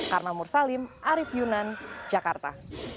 karena mursalim arief yunan jakarta